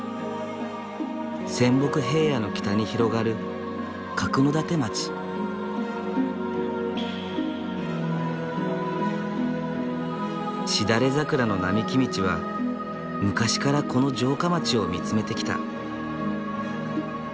仙北平野の北に広がるしだれ桜の並木道は昔からこの城下町を見つめてきた。